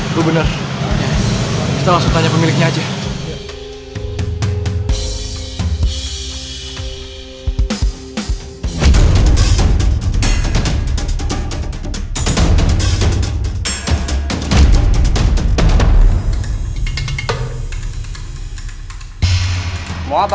lo bener kita langsung tanya pemiliknya aja